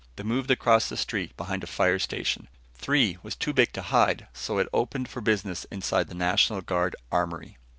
They moved across the street behind a fire station. Three was too big to hide, so it opened for business inside the National Guard Armory.